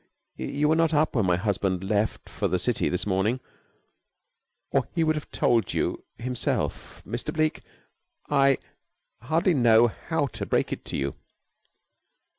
"You were not up when my husband left for the city this morning, or he would have told you himself. Mr. Bleke, I hardly know how to break it to you."